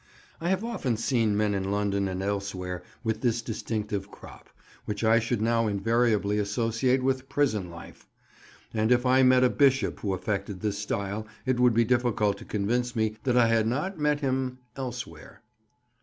I've often seen men in London and elsewhere with this distinctive crop, which I should now invariably associate with prison life; and if I met a Bishop who affected this style it would be difficult to convince me that I had not met him "elsewhere."